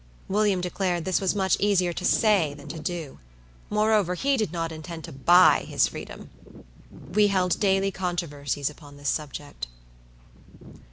William declared this was much easier to say than to do; moreover, he did not intend to buy his freedom. We held daily controversies upon this subject.